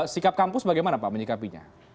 sikap kampus bagaimana pak menyikapinya